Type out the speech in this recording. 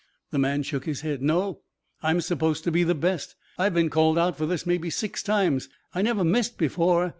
The man shook his head. "No. I'm supposed to be the best. I've been called out for this maybe six times. I never missed before.